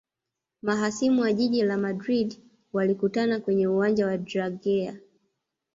mahasimu wa jiji la madrid walikutana kwenye uwanja wa drageo